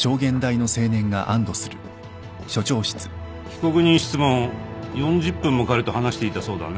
被告人質問４０分も彼と話していたそうだね。